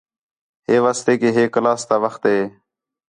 ہے واسطے کہ ہے کلاس تا وخت ہے